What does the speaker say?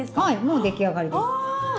はいもう出来上がりです。